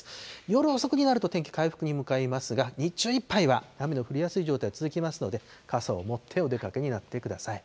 夜遅くになると、天気回復に向かいますが、日中いっぱいは雨の降りやすい状態続きますので、傘を持ってお出かけになってください。